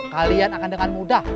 kalian akan dengan mudah